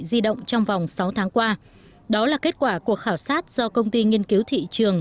di động trong vòng sáu tháng qua đó là kết quả cuộc khảo sát do công ty nghiên cứu thị trường